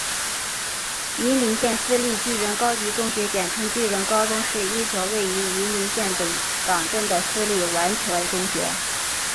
云林县私立巨人高级中学简称巨人高中是一所位于云林县北港镇的私立完全中学。